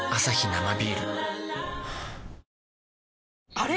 あれ？